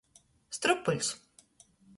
Strupuļs.